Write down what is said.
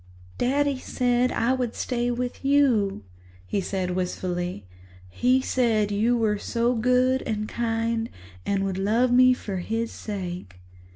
"Daddy said that I would stay with you," he said wistfully. "He said you were so good and kind and would love me for his sake."